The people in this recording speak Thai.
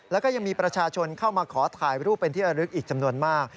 แล้วก็ยังมีประชาชนเข้ามาขอถ่ายรูปเป็นที่ระลึกอีกจำนวนมาก